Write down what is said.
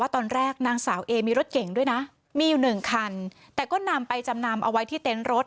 แต่ก็นำไปจำนำเอาไว้ที่เต้นรถ